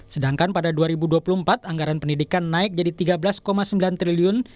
sedangkan pada dua ribu dua puluh empat anggaran pendidikan naik jadi rp tiga belas sembilan triliun